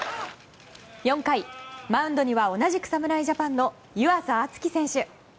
４回、マウンドには同じく侍ジャパンの湯浅京己選手。